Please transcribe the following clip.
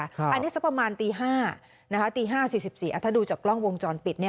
อันนี้สักประมาณตี๕ตี๕๔๔ถ้าดูจากกล้องวงจรปิด